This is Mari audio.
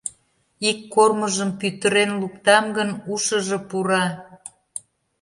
Ик кормыжым пӱтырен луктам гын, ушыжо пура...